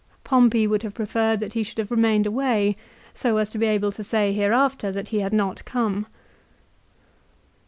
Pompey would have preferred that he should have remained away, so as to be able to say hereafter that he had not come.